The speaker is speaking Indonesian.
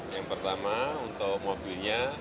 yang pertama untuk mobilnya